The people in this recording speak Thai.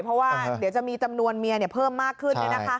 เพราะว่าเดี๋ยวจะมีจำนวนเมียเพิ่มมากขึ้น